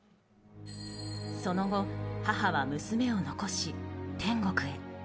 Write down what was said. その後、母は娘を残し天国へ。